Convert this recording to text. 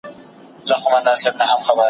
زه پرون مځکي ته ګورم وم!؟